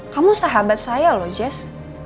kamu sahabat saya loh jazz